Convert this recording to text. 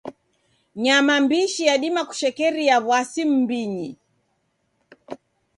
Nyama mbishi yadima kushekeria w'asi m'mbinyi.